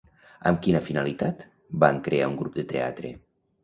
Amb quina finalitat van crear un grup de teatre?